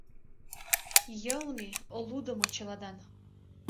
Йылме — лудымо чыладан;